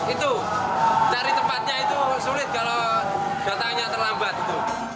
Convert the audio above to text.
itu cari tempatnya itu sulit kalau datangnya terlambat gitu